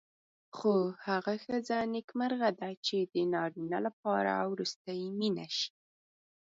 خو هغه ښځه نېکمرغه ده چې د نارینه لپاره وروستۍ مینه شي.